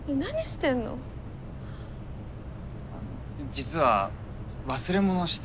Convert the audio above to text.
実は忘れ物をして。